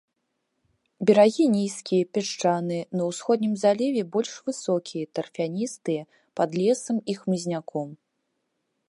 Берагі нізкія, пясчаныя, на ўсходнім заліве больш высокія, тарфяністыя, пад лесам і хмызняком.